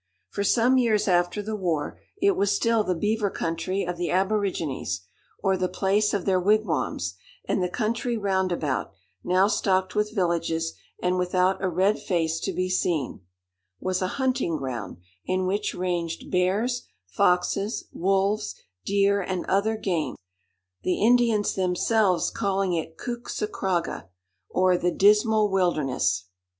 For some years after the war, it was still the beaver country of the aborigines, or the place of their wigwams; and the country round about, now stocked with villages, and without a red face to be seen, was a hunting ground, in which ranged bears, foxes, wolves, deer, and other game, the Indians themselves calling it couxsachraga, or the dismal wilderness.